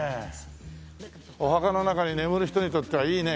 お墓の中に眠る人にとってはいいね。